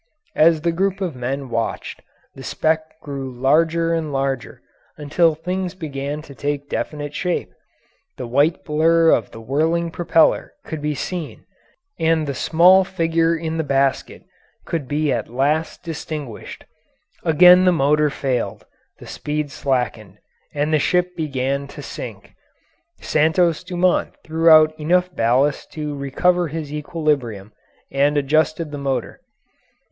As the group of men watched the speck grow larger and larger until things began to take definite shape, the white blur of the whirling propeller could be seen and the small figure in the basket could be at last distinguished. Again the motor failed, the speed slackened, and the ship began to sink. Santos Dumont threw out enough ballast to recover his equilibrium and adjusted the motor.